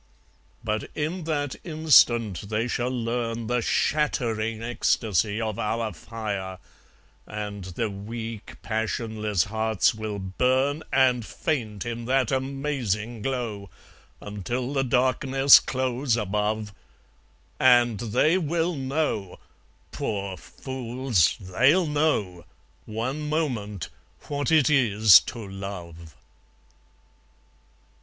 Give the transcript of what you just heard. ... But in that instant they shall learn The shattering ecstasy of our fire, And the weak passionless hearts will burn And faint in that amazing glow, Until the darkness close above; And they will know poor fools, they'll know! One moment, what it is to love.